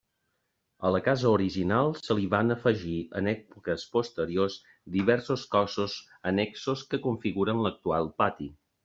A la casa original se li van afegir en èpoques posteriors diversos cossos annexos que configuren l'actual pati.